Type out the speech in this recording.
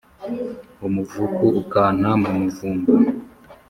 umuvu ukanta mu muvumba